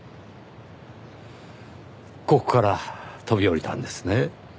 ここから飛び降りたんですね。